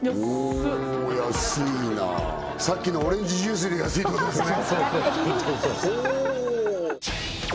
お安いなさっきのオレンジジュースより安いってことですね